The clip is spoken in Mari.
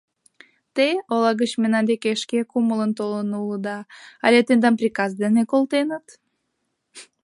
— Те ола гыч мемнан деке шке кумылын толын улыда але тендам приказ дене колтеныт?